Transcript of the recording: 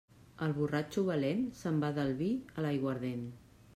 El borratxo valent se'n va del vi a l'aiguardent.